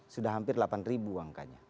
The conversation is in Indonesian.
sudah hampir delapan ribu angkanya